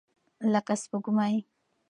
لکه سپوږمۍ.